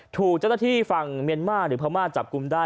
ถูกเจ้าหน้าที่ฝั่งเมียนมาร์หรือพม่าจับกลุ่มได้